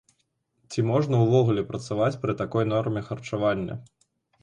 Ці можна ўвогуле працаваць пры такой норме харчавання?